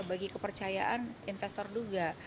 bagi kepercayaan investor juga